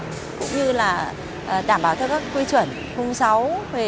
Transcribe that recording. cũng như là đảm bảo theo các quy chuẩn khung sáu về